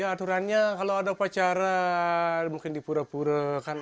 aturannya kalau ada upacara mungkin di pura pura